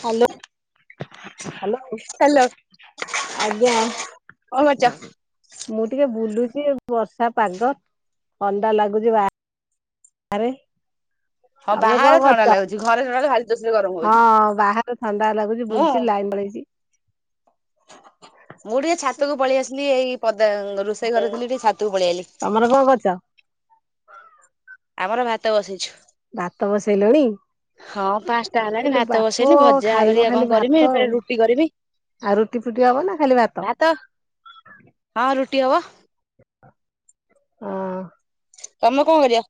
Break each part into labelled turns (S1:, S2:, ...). S1: Hello. Hello ଆଜ୍ଞା।
S2: କଣ କରୁଛ?
S1: ମୁଁ ଟିକେ ବୁଲୁଚି। ବର୍ଷା ପାଗ ଥଣ୍ଡା ଲାଗୁଛି ବା ଆରେ।
S2: ହଁ
S1: ତମେ
S2: ବାହାରେ
S1: କଣ
S2: ଥଣ୍ଡା
S1: କରୁଛ
S2: ଲାଗୁଛି ଘରେ ଥଣ୍ଡା ଭାରି ଜୋରସରେ ଗରମ
S1: ହଁ
S2: ହଉଛି।
S1: ବାହାରେ ଥଣ୍ଡା ଲାଗୁଛି
S2: ମୁଁ
S1: ବୁଲୁଛି। ଲାଇନ୍ ପଳେଇଚି।
S2: ମୁଁ ଟିକେ ଛାତକୁ ପଳେଇ ଆସନି ଏଇ। ପଦା ରୋଷେଇ ଘରେ ଥିଲି ଟିକେ ଛାତକୁ ପଳେଇଆଇଲି।
S1: ତମର କଣ କରୁଚ?
S2: ଆମର ଭାତ ବସିଛୁ।
S1: ଭାତ ବସେଇଲଣି?
S2: ହଁ ପାଞ୍ଚଟା ହେଲାଣି
S1: ଇଲୋ
S2: ଭାତ
S1: ବାପ
S2: ବସେଇନି ଭଜା
S1: ଖାଇବ
S2: ଘରୀୟା
S1: ଖାଲି
S2: କଣ
S1: ଭାତ
S2: କରିମି
S1: ଆଉ।
S2: ଫେରେ ରୁଟି କରିମି।
S1: ଆଉ ରୁଟି ଫୁଟି ହବ ନା ଖାଲି ଭାତ?
S2: ହଁ ରୁଟିି ହବ।
S1: ହଁ।
S2: ତମେ କଣ କରିବ?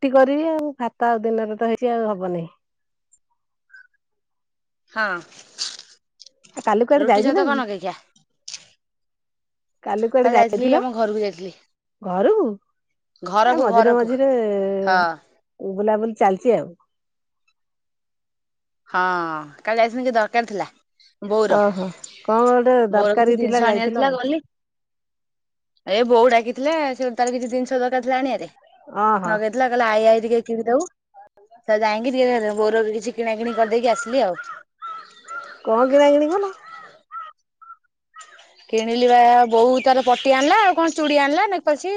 S1: ଟି କରିବି ଆଉ ଭାତ ଆଉ ଦିନରେ ତ ହେଇଛି ଆଉ ହବନେଇ।
S2: ହଁ।
S1: ଆ କାଲି କୁଆଡେ
S2: ରୁଟି ସହିତ
S1: ଯାଇଥିଲ କି?
S2: କଣ ନଗେଇ ଖିଆ
S1: କାଲି କୁଆଡେ
S2: ଯାଇଥିଲି
S1: ଯାଇଥିଲ
S2: ଆମ ଘରକୁ ଯାଇଥିଲି।
S1: ଘରୁକୁ? ଏ
S2: ଘରକୁ
S1: ମଝିରେ
S2: ଘରକୁ
S1: ମଝିରେ ଏ
S2: ହଁ
S1: ଉ ବୁଲାବୁଲି ଚାଲିଛି ଆଉ।
S2: ହଁ କାଲି ଯାଇଥି ଦରକାର୍ ଥିଲା। ବୋଉର
S1: ଓହୋ କଣ ଗୋଟେ
S2: ମୋର କିଛି
S1: ଦରକାରୀ ଥିଲା
S2: ଜିନିଷ ଆଣିବାର
S1: ଯାଇଥିଲ
S2: ଥିଲା
S1: ଆଉ
S2: ଗଲି। ଏ ବୋଉ ଡାକିଥିଲେ ସେ ତାର କିଛି ଜିନି ଦରକାର ଥିଲା ଆଣିଆରେ।
S1: ଓହୋ।
S2: ଲଗେଇଥିଲା କହିଲେ ଆଇ ଆଇ ଟିକେ କିଣିଦୋଉ। ସେ ଯାଇଁକି ବୋଉ ର ବି କିଛି କରଦେକି ଆସିଲି ଆଉ।
S1: କଣ କିଣାକିଣି କଲ?
S2: କିଣିଲି ବା ବୋଉ ତାର ପଟି ଆଣିଲା ଆଉ କଣ ଚୁଡି ଆଣିଲା। ନେକ୍ ପାଲିଶି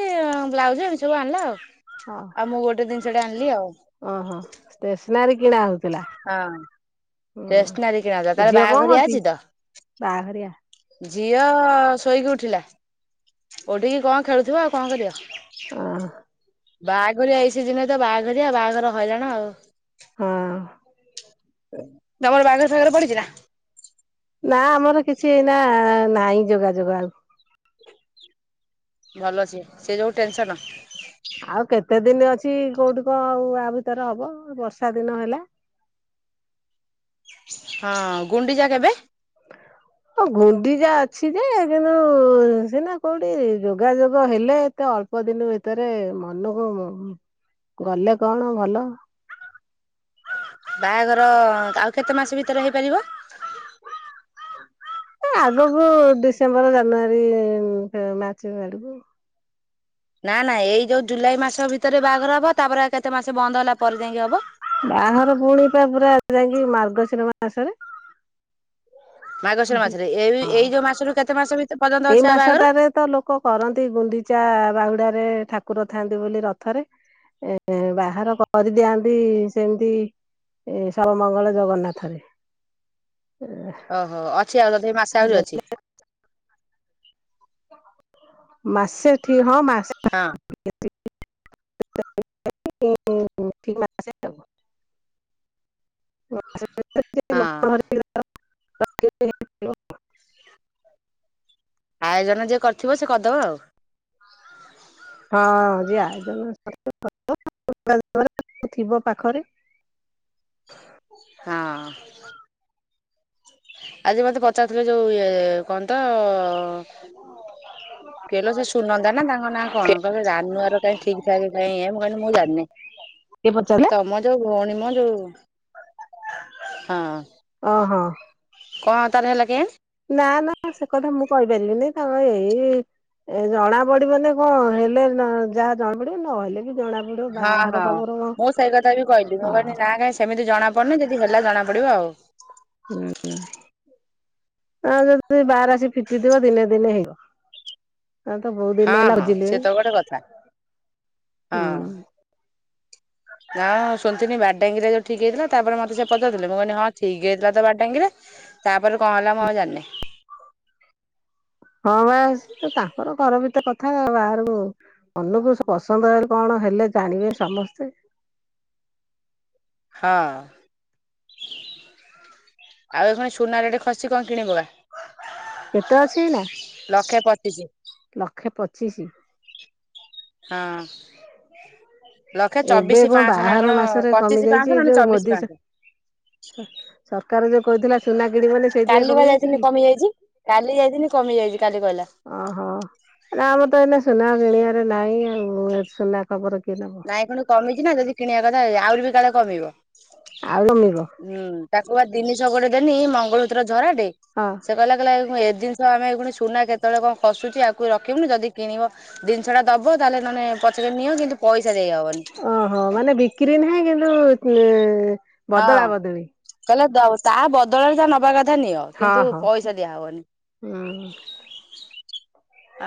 S2: ବ୍ଲାଉଜ ଚୁ ଆଣିଲା ଆଉ।
S1: ହଁ
S2: ଆଉ ମୁଁ ଗୋଟେ ଜିନିଷ ଟେ ଆଣିଲି ଆଉ।
S1: ଓହୋ ଷ୍ଟେସନାରି
S2: ହଁ ଟେସ୍ନାରୀ କିଣାଜା
S1: ହୁଁ।
S2: ତାର
S1: ଝିଅ କଣ
S2: ବାହାଘରିଆ
S1: କରୁଛି?
S2: ଅଛି ତ।
S1: ବାହାଘରିଆ
S2: ଝିଅ ଶୋଇକି ଉ ଉଠିଲା ଓଉଠିକି କଣ ଖେଳୁଥିବ ଆଉ କଣ କରିବ।
S1: ଅଁ
S2: ବାହାଘରି ଏଇ ସିଜିନି ରେ ତ ବାହାଘରିଆ ଆଉ ବାହାଘର ହଇରାଣ ଆଉ।
S1: ହଁ [inaudible]
S2: ତମର ବାହାଘର ସାଘର ପଡିଛି ନା।
S1: ନା ଆମର କିଛି ଏଇନା ନାହିଁ ଯୋଗାଯୋଗ ଆଉ।
S2: ଭଲ ସିଏ ଯୋଉ ଟେନ୍ସନ।
S1: ଆଉ କେତେ ଦିନି ଅ କିଛି କୋଉଠିକ ଆଉ ଆ ଭିତରେ ହବ ବର୍ଷା ଦିନ ହେଲା।
S2: ହଁ ଗୁଣ୍ଡିଚା କେବେ?
S1: ଆ ଘୁଣ୍ଡିଯା ଅଛି ଯେ କିନ୍ତୁ ସିନା କୋଉଠି ଯୋଗାଯୋଗ ହେଲେ ଏତେ ଅଳ୍ପ ଦିନ ଭିତରେ ମନକୁ ଗଲେ କଣ ଭଲ।
S2: [inaudible] ବାହାଘର ଆଉ କେତେ ମାସ ଭିତରେ ହେଇପାରିବ। [inaudible]
S1: ଏ ଆଗକୁ ଡିସେମ୍ବର ଜାନୁଆରୀ ମାର୍ଚ୍ଚ ଆଡକୁ
S2: ନା ନାଇଁ ଏଇ ଯୋଉ ଜୁଲାଇ ମାସ ଭିତରେ ବାହାଘର ହବ। ତାପରେଉ କେତେ ମାସ ବନ୍ଦ ହେଲା ପରେ ଯାଇକି ହବ।
S1: ବାଘର ପୁଣି ତା ପୁରା ଯାଇକି ମାର୍ଗଶିର ମାସରେ।
S2: ମାଗଶୀର ମାସ ରେ ଏଇ ଏଇ ଯୋଉ ମାସରୁ କେତେ ମାସ ଭି
S1: ଏଇ ମାସଟାରେ ତ ଲୋକ କରନ୍ତି ଗୁଣ୍ଡିଚା ବାହୁଡାରେ। ଠାକୁର ଥାଆନ୍ତି ବୋଲି ରଥରେ ଏ ବାହାର କରିଦିଆନ୍ତି ସେମିତି ଏ ସବ ମଙ୍ଗଳ ଜଗନ୍ନାଥ ରେ।
S2: [inaudible] ଓହୋ ଅଛି ଆଉ ତ ମାସେ ଆହୁରି ଅଛି।
S1: ମାସେ ଏଠି ହଁ ମାସେ
S2: ହଁ
S1: ପାଖା ପାଖି ଅଛି। [unintelligible]
S2: [inaudible] ହଁ
S1: [unintelligible] [unintelligible] [inaudible]
S2: ଆୟୋଜନ ଯିଏ କରିଥିବ ସେ କରିଦବ ଆଉ।
S1: ହଁ ଯିଏ ଆୟୁଜନ କ [unintelligible] ଥିବ ପାଖରେ [inaudible]
S2: ହଁ। ଆଜି ମତେ ପଚାରୁଥିଲେ ଯୋଉ ଇଏ କଣ ତ
S1: ହଁ।
S2: କହିଲ ସେ ସୁନନ୍ଦତା ନା ତାଙ୍କ ନାଁ କଣ
S1: କିଏ
S2: କିଲିବ ଜାନୁଆ କାହି ଠିକ ଠାକ କାହିଁ ଏ ମୁ କି ମୁଁ ଜାଣିନି। [inaudible]
S1: ପଚାରିଲେ
S2: ତମ ଯୋଉ ଭଉଣୀ ମ ଯୋଉ [inaudible] ହଁ।
S1: ଓହୋ
S2: କଣ ତାର ହେଲା କେଜାଣି
S1: [inaudible] ନା ନା ସେ କଥା ମୁଁ କହିଦିଲିନି ତ ଏଇ ଏ ଜଣା ପଡିବନ କଣ ହେଲେ ଯାହା ଜଣା ପଡିବ ନହଲେ
S2: ହଁ ହଁ ମୁଁ ସେଇ କଥା ବି କହିଲି ମୁଁ
S1: ହଁ
S2: କହିଲି ନା କାଇହିଁ ସେମିତି ଜଣା କନି ଯଦି ହେଲା ଜଣା ପଡିବ ଆଉ।
S1: ହୁଁ ହୁଁ [inaudible] ଆଉ ଯଦି ବାହାର ଆସି ଫିଟିଥିବ ଦିନେ ଦିନେ ହେଇ
S2: ହଁ ହଁ ସେ
S1: ବୁଝିଲିଣି
S2: ତ ଗୋଟେ କଥା [inaudible]
S1: ହୁଁ
S2: ହଁ। ହଁଁ ଶୁଣିଥିଲିନି ବାରଡାଙ୍ଗିରରେ ଯୋଉ ଠିକ୍ ହେଇଥିଲା ତାପରେ ମତେ ସେ ପଚାର ଦେଥିଲେ ମୁଁ କହିଲି ହଁ। ଠିକ ହେଇଥିଲା ତ ବାର ଟାଙ୍ଗିରେ ତାପରେ କଣ ହେଲା ମୁଁ ଆଉ ଯାଣିନି। [inaudible]
S1: ହଁ ବା ତାଙ୍କର ଘର ଭିତରେ କଥା ବାହାରକୁ ଅନୁକୁ ପସନ୍ଦ ହେଇଲେ କଣ? ହେଲେ ଜାଣିବେ ସମସ୍ତେ।
S2: [inaudible] ହଁ। [inaudible] ଆଉ ଏଣ ସୁନା ଟେ ଖସି କଣ କିଣିବୁବା।
S1: କେତେ ଅଛି ଏଇନା
S2: ଲକ୍ଷେ ପଚିଶି
S1: [inaudible] ଲକ୍ଷେ ପଚିଶି। [inaudible]
S2: ହଁ। ଲକ୍ଷେ
S1: ଏବେ
S2: ଚବିଶ
S1: କଣ
S2: ପାଞ୍ଚଶହ ନା
S1: ବାହାଘର
S2: କଣ
S1: ମାସରେ କମି
S2: ପଚିଶି
S1: ଯାଇଛି
S2: ପାଞ୍ଚଶହ ନହଲେ
S1: ଯୋଉ
S2: ଚବିଶି
S1: ମୋଦି
S2: ପାଞ୍ଚଶହ।
S1: [inaudible] ଯୋଉ କହିଥିଲା ସୁନା କିଣିବନି
S2: [inaudible]
S1: ସେଇଥିପାଇଁ
S2: କାଲି ବା
S1: କମି ଯାଇଛି କି?
S2: ଯାଇଥିଲି କମିଯାଇଛି କାଲି ଯାଇଥିଲି କମି ଯାଇଛି କାଲି କହିଲା। [inaudible]
S1: ଓହୋ। ଆମର ତ ଏଇନା ସୁନା କିଣିବାରେ ନାହିଁ ଆଉ ସୁନା ଖବର କି ନବ।
S2: ନାଇଁ କଣୁ କମିଛି ନା ଯଦି କିଣିବା କଥାଉ ଆହୁରି ବି କାଳେ କମିବ।
S1: ଆଉ ଜମିବ
S2: [inaudible] ହୁଁ ତାକୁ ବା ଦିନିଶହ ଗଟେ ଦେନି ମଙ୍ଗଳ ଝରାଟେ
S1: ହଁ
S2: ସେ କହିଲା କହ ଏ ଜିନିଷ ଆମେ ପୁଣି ସୁନା କେତେବେଳେ କଣ ଖସୁଛି ଆଗକୁ ରଖିବୁନି ଯଦି କିଣିବ ଜିନିଷ ଟା ଦବ ତାହେଲେ ନହେଲେ ପଚାରି ନିଅ କିନ୍ତୁ ପଇସା ଦେଇହବନି
S1: [inaudible] ଓହୋ ମାନେ ବିକ୍ରି ନାହଁ। କିନ୍ତୁ
S2: [inaudible] ହଁ
S1: ବଦଳା ବଦଳି
S2: [inaudible] କହିଲା ତା ବଦଳରେ ଯା ନବା କଥା କଥା ନିଅ
S1: ହଁ
S2: କିନ୍ତୁ
S1: ହଁ
S2: ପଇସା ଦିଆ ହବନି।
S1: ହୁଁ
S2: [inaudible]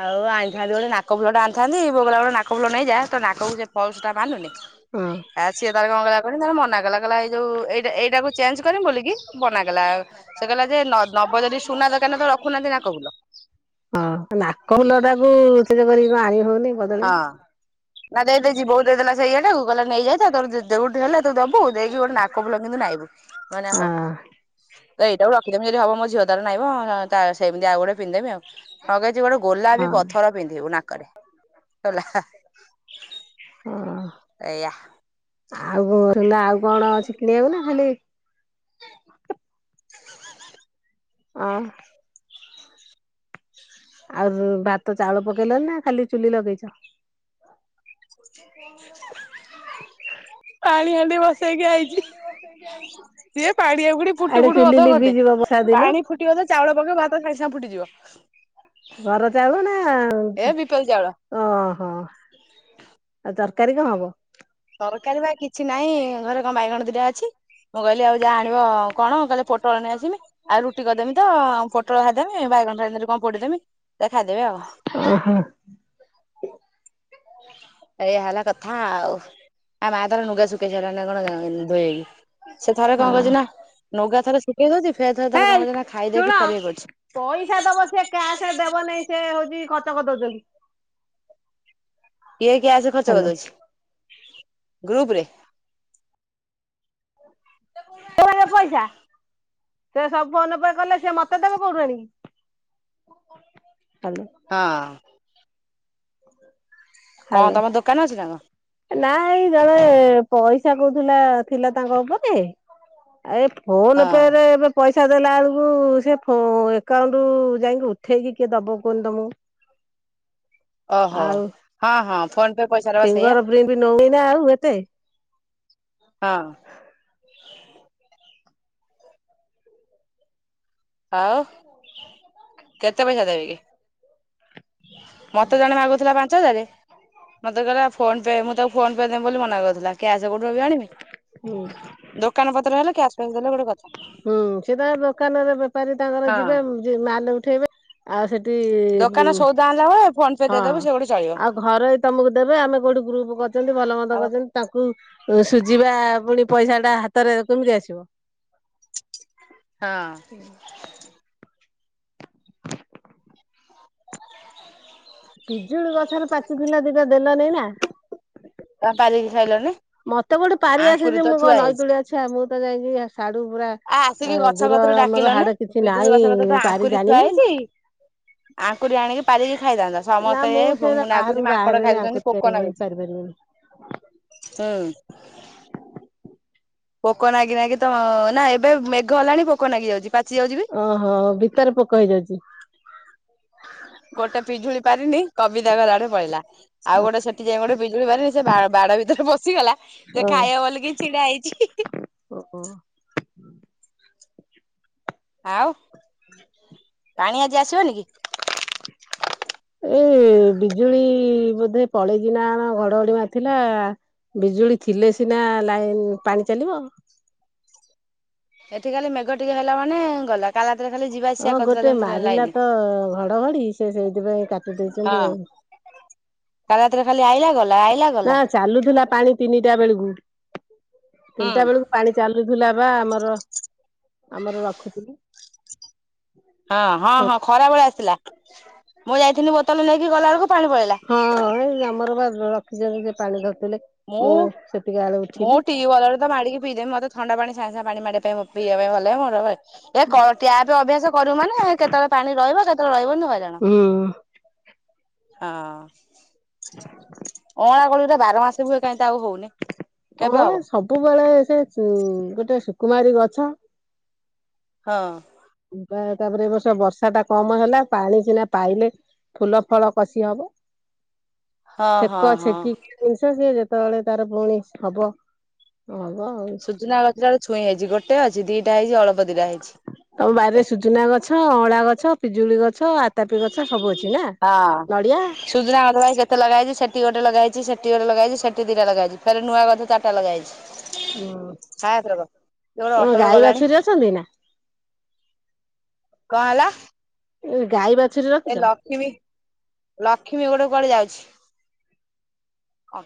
S2: ଆଉ ଆଣିଥାନ୍ତି ଗୋଟେ ନାକ ଫୁଲଟା ଆଣିଥାନ୍ତି ବୋଉ କହିଲା ଗୋଟେ ନାକ ଫୁଲ ନାହିଁ ଯା ତୋ ନାକକୁ ଯେମ ପଲ୍ସଟା ମାନୁନି
S1: ହଁ
S2: ଆଉ ସିଏ ତାର ରଙ୍ଗ [unintelligible] ତ ମନା କଲା, କହିଲା ଏଇ ଯୋଉ ଏଇଟା ଏଇଟାକୁ ଚେଞ୍ଜ କରି ବୁ ବୋଲିକି ମନାକଲା ସେ କହିଲା ଯେ ନ ନବ ଯଦି ସୁନା ଦୋକାନରେ ତ ରଖୁନାହାନ୍ତି ନାକଫୁଲ।
S1: ହଁ ନାକ ଫୁଲଟାକୁ ସେ ଯୋଗୁରୁ କରିକି କଣ ଆଣି ହଉନି। ବଦଳେଇ
S2: ହଁ ନା ଦେଇ ଦେଇଛି ବୋଉ ଦେଇଦଲା ସେ ଇଏଟାକୁ କହି ନେଇ ଯାଇଥା ତୋର ଯ ଯଉଠି ହେଲେ ତୁ ଦବୁ, ଦେଇକି ଗୋଟେ ନାକ ଫୁଲ କିନ୍ତୁ ନାଇବୁ। ମାନେ ହଉ
S1: ହଁ
S2: ତ ଏଇଟାକୁ ରଖିଦେବି ଯଦି ହବ ମୋ ଝିଅ ତାର ନାଇବ। ତା ସେମତି ଆଉ ଗୋଟେ ପିନ୍ଧିଦେବି ଆଉ ଲଗେଇଛି ଗୋଟେ ଗୋଲାପି
S1: ହଁ
S2: ପଥର ପିନ୍ଧିବୁ ନାକରେ।
S1: ହଁ।
S2: ଏଇଆ।
S1: ଆଉ ସୁନା ଆଉ କଣ ଅଛି କିଣିଆକୁ ନା ଖାଲି
S2: [inaudible]
S1: ଅଁ। ଆଉ ଯୋଉ ଭାତ ଚାଉଳ ପକେଇଲଣି ନା ଖାଲି ଚୁଲି ଲଗେଇଚ? [unintelligible]
S2: ପାଣି ହାଣ୍ଡି ବସେଇକି ଆଇଚି। ସିଏ ପାଣି ଆହୁରି ଫୁଟୁ
S1: ଆଡେ
S2: ଫୁଟୁ
S1: ଚୁଲି
S2: ଅଧଘଣ୍ଟେ।
S1: ଲିଭିଯିବ ବର୍ଷା ଦିନ
S2: ପାଣି ଫୁଟିବ ତ ଚାଉଳ ପକେଇବ ଭାତ ସାଙ୍ଗେ ସାଙ୍ଗେ ଫୁଟିଯିବ।
S1: ଘର ଚାଉଳ ନା
S2: ଏ ବିପରି ଚାଉଳ।
S1: ଓହୋ ଆ ତରକ କାରି କଣ ହବ?
S2: ତରକାରୀ ବା କିଛି ନାହିଁ ଘରେ କଣ ବାଇଗଣ ଦୁଇଟା ଅ ମୁଁ କହିଲି ଆଉ ଯାଅ ଆଣିବ କଣ କହିଲେ ପୋଟଳ ନେଇ ଆସିବ, ଆଉ ରୁଟି କରଦେମି ତ ପୋଟଳ ଭାଜଦେମି। ବାଇଗଣ [unintelligible] ନହେଲେ କଣ ପୋଡିଦେବି ଖାଇଦେବେ ଆଉ।
S1: ଓହୋ
S2: ଏଇଆ ହେଲା କଥା ଆଉ ଆ ମାଆ ତାର ନୁଗା ଶୁଖେଇଚନ୍ତି ନା କଣ ଧୋଇକି। ସେ ଥରେ କଣ କରୁଚି
S1: ହଁ।
S2: ନା ନୁଗା ଥରେ ଶୁଖେଇ ଦଉଛି ଫେର ଥରେ ତାର କଣ
S1: ହେଇ
S2: କରୁଛି ନା ଖାଇ
S1: ଶୁଣ
S2: ଦେଇକି ଫେର ଇଏ କରୁଚି।
S1: ପଇସା ଦବ ସେ କ୍ୟାସ ଦେବ ନାଇଁ ସେ ହଉଚି ଖର୍ଚ୍ଚ କରି ଦଉଛନ୍ତି।
S2: କିଏ କ୍ୟାସ ଖର୍ଚ୍ଚ
S1: ହ୍ୟାଲୋ।
S2: କରିଦଉଚି ଗ୍ରୁପରେ।
S1: ସେମାନେ ପଇସା, ସେ ସବୁ ଫୋନ ପେ କଲେ ସିଏ ମତେ ଦେବେ କୋଉଠୁ ଆଣିକି।
S2: ହଁ। କଣ
S1: ହାଲୋ
S2: ତମ ଦୋକାନ ଅଛି ନା କଣ?
S1: ନାଇଁ ଜଣେ ପଇ ସା କହୁଥିଲା ଥିଲା ତାଙ୍କ ଉପରେ ଏଇ ଫୋନ ପେ
S2: ହଁ
S1: ରେ ଏବେ ପଇସା ଦେଲା ବେଳକୁ ସେ ଫ ଏକାଉଣ୍ଟ କୁ ଯାଇକି ଉଠେଇକି କିଏ ଦବ କୁହନୁ ତମକୁ।
S2: ଓହୋ!
S1: ଆଉ
S2: ହଁ ହଁ। ଫୋନ ପେ ପଇସା ଟା ବା ସେଇଆ
S1: ଫିଙ୍ଗର ପ୍ରିଣ୍ଟି ନଉନି ନା ଆଉ ଏତେ।
S2: ହଁ। ଆଉ କେତେ ପଇସା ଦେବେ କି? ମତେ ଜଣେ ମାଗୁଥିଲା ପାଞ୍ଚ ହଜାରେ ମତେ କହିଲା ଫୋନ ପେ ମୁଁ ତାକୁ ଫୋନ ପେ ରେ ଦେବି ବୋଲି ମନା କରଦେଲା କ୍ୟାସ କୋଉଠୁ ଏବେ ଆଣିବି,
S1: ହୁଁ।
S2: ଦୋକାନ ପତ୍ର ହେଲେ କ୍ୟାସ ଫ୍ୟାସ ଦେଲେ ଗୋଟେ କଥା
S1: ହୁଁ ସେ ତାଙ୍କର ଦୋକାନରେ ବେପାରୀ ତାଙ୍କର
S2: ହଁ
S1: ଯିବେ ମ ମାଲ ଉଠେଇବେ ଆଉ ସେଠ
S2: ଦୋକାନ ସଉଦା ଆଣଲା ବେଳେ ଫୋନ ପେ ଦେଇଦବ ସେ ଗୋଟେ ଚଳ
S1: ଆଉ ଘରୋଇ ତମୁକୁ ଦେବେ ଆମେ କୋଉଠି ଗ୍ରୁପ କରିଛନ୍ତି, ଭଲ ମନ୍ଦ
S2: ଆଉ
S1: କରିଛନ୍ତି ତାଙ୍କୁ ସୁଝିବା ପୁଣି ପଇସାଟା ହାତରେ କେମିତି ଆସିବ।
S2: ହଁ।
S1: ପିଜୁଳି ଗଛରେ ପାଚିଥିଲା ଦିଟା ଦେଲ ନେଇ ନା।
S2: ତମେ ପାରିକି ଖାଇଲନି।
S1: ମତେ କୋଉଠି ପାରି ଆସେ
S2: ଆଙ୍କୁରି
S1: ଯେ
S2: ତ
S1: ମୁଁ କଁ
S2: ଥୁଆ ହେଇଛି
S1: ନଈକୁଳିଆ ଛୁଆ ମୁଁ ତ ଯାଇକି ଆସ
S2: ଆସିକି ଗଛ କତୁରୁ
S1: ଆମର
S2: ଡାକିଲନି
S1: ହାଡେ କିଛି
S2: ପିଜୁଳି
S1: ନାହିଁ
S2: ଗଛ କତିରେ ତ
S1: ପାରି
S2: ଆଙ୍କୁରି ଥୁଆ
S1: ଜାଣିନି
S2: ହେଇଚି। ଆଙ୍କୁରି ଆଣିକି ପାରିକି ଖାଇଥାନ୍ତ
S1: ନା
S2: ସମସ୍ତେ
S1: ମୁଁ ସେରା
S2: ଖାଇ
S1: ବାହାରକୁ
S2: ନାଗୁଛି ମାଙ୍କଡ
S1: ବାହାରେନି
S2: ଖାଇ
S1: ଆଙ୍କୁରି
S2: ଦଉଛନ୍ତି ପୋକ
S1: ପାରିବିନି
S2: ଲାଗୁଚି।
S1: ପାରିପାରିବିନି
S2: ହୁଁ। ପୋକ ନାଗି ନାଗି ତ ନା ଏ ଏବେ ମେଘ ହେଲାଣି ପୋକ ଲାଗି ଯାଉଛି ପାଚି ଯାଉଛି ବି।
S1: ଓହୋ ଭିତରେ ପୋକ ହେଇଯାଉଛି
S2: ଗୋଟେ ପିଜୁଳି ପାରିନି କବିତା ଘର ଆଡେ ପଳେଇଲା ଆଉ ଗୋଟେ ସେଠି ଯାଇଏ ଗୋଟେ ପିଜୁଳି ପାରିଲି ସେ ବାଡ ଭିତରେ ପସିିଗଲା ସେ
S1: ଓ
S2: ଖାଇବା ବୋଲି ଛିଡା ହେଇଚି ହୀଈ
S1: ଓହୋ
S2: ଆଉ ପାଣି ଆଜି ଆସିବନି କି?
S1: ଏଇ ବିଜୁଳି ଇ ବୋଧେ ପଳେଇଚିନା କଣ ଘଡଘଡି ମାରିଥିଲା ବିଜୁଳି ଥିଲେ ସିନା ଲାଇନ ପାଣି ଚାଲିବ
S2: ଏଠିଖାଲି ମେଘ ଟିକେ ହେଲା ମାନେ ଗଲା କାଲି ରାତିରେ ଖାଲି ଯିବା ଆସିବା
S1: ହଁ
S2: କରୁଥିଲା
S1: ଗୋଟେ
S2: ଯେମିତି
S1: ମାରିଲା
S2: ଲାଇନି।
S1: ତ ଘଡଘଡି ସେ ସେଇଥିପାଇଁ କାଟି ଦେଇେଇଛନ୍ତି
S2: ହଁ
S1: ଆଉ
S2: କାଲି ରାତିରେ ଖାଲି ଆଇଲା ଗଲା। ଆଇଲା ଗଲା
S1: ନା ଚାଲୁଥିଲା ପାଣି ତିନିଟା ବେଳକୁ
S2: ହୁଁ
S1: ତିନିଟା ବେଳକୁ ପାଣି ଚାଲୁଥିଲା ବା ଆମର ଆମର ରଖୁଥିଲୁ।
S2: ହଁ ହଁ ହଁ ଖରା ବେଳେ ଆସିଲା ମୁଁ ଯାଇଥିଲି ବୋତଲ ନେଇକି ଗଲା ବଳକୁ ପାଣି
S1: ହଁ ଏଇ ଆମର
S2: ପଳେଇଲାା
S1: ବା ରଖିଛନ୍ତି ସେ ପାଣି ଧର
S2: ମୁଁ ମୁଁ ଟିୱଲ ରେ ତ ମାଡିକି ପିଇଦେବି ମତେ ଥଣ୍ଡା ପାଣି ସାଙ୍ଗେ ସାଙ୍ଗ ପାଣି ମାଡିବା ପାଇଁ ପିଇବା ପାଇଁ ଭଲ ମୋର ଟ୍ୟାପ ଅଭ୍ୟାସ କରିବୁ ମାନେ କେତେବେଳେ ପାଣି ରହିବ କେତେବେଳେ ରହିବନି ହଇରାଣ।
S1: ହୁଁ ଉଁ
S2: ହଁ ଅଁଳା କୋଳିଗୁରା ବାର ମାସି
S1: କଣ ସବୁବେଳେ ସେ ଉ ଗୋଟେ ସୁକୁମାରୀ ଗଛ।
S2: ହଁ,
S1: ତାପରେ ଏ ବର୍ଷ ବର୍ଷା ଟା କମ ହେଲା ପାଣି ସିନା ପାଇଲେ ଫୁଲ ଫଳ କଷି ହବ।
S2: ହଁ ହଁ
S1: ଛେକ
S2: ହଁ
S1: ଛେକି ଜିନିଷ ସିଏ ଯେତେବେଳେ ତାର ପୁଣି ହବ ହବ ଆଉ
S2: ସୁଜନା ଗଛଟ ଛୁଇଁ ହେଇଛି ଗୋଟେ ଅଛି ଦିଟା ହେଇଛି ଅଳ୍ପ ଦିଇଟା ହେଇଛି
S1: ହ ଅଁଳା ଗଛ ପିଜୁଳି ଗଛ। ଆତାପି ଗଛ ସବୁ ଅଛି ନା
S2: ହଁ
S1: ନଡିଆ
S2: ସୁଜୁନା ଗଛ କାଇଁ କେତେ ଲଗାହେଇଚି ସେଠି ଗୋଟେ ଲଗାହେଇଚି ସେଠ ଏଟି ଲଗା ହେଇଛି ସେଠି ଦିଟା ଲଗାହେଇଛି ଫେରେ ରେ ନୂଆ ଗଛ ଚାରଟା ଲଗାହେଇଛି।
S1: ହଁ
S2: ହାୟ ପ୍ର ଗ କିଏ ଗୋଟେ
S1: ତମ
S2: ଅଟୋରେ
S1: ଗାଈ
S2: ଗଲାଣି।
S1: ବାଛୁରୀ ଅଛନ୍ତି ନା
S2: କଣ ହେଲା?
S1: ଗାଇ ବା
S2: ଏ ଲକ୍ଷ୍ମୀ ଲକ୍ଷ୍ମୀ ଗୋଟେ କୁଆଡେ ଯାଉଛି। ହଁ,